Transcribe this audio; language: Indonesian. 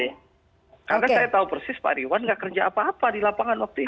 karena saya tahu persis pak irwan tidak kerja apa apa di lapangan waktu itu